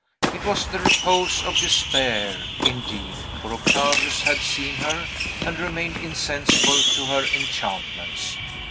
It was the repose of despair, indeed; for Octavius had seen her, and remained insensible to her enchantments.